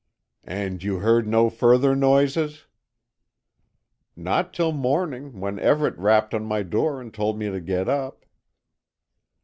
"And you heard no further noises?" "Not till morning, when Everett rapped on my door, and told me to get up."